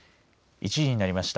１時になりました。